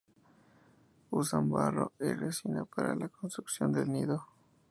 Usan barro y resina para la construcción del nido.